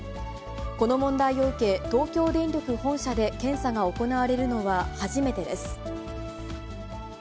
この問題を受け、東京電力本社で検査が行われるのは初めてです。